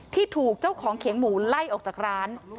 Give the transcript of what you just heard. ที่ถูกเจ้าของเขียงหมูไล่ออกจากร้าน